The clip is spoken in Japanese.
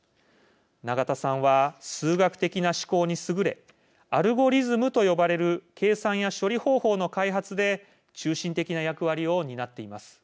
永田さんは数学的な思考に優れアルゴリズムと呼ばれる計算や処理方法の開発で中心的な役割を担っています。